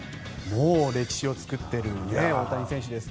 歴史を作っている大谷選手ですが。